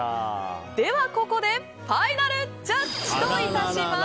ではここでファイナルジャッジといたします。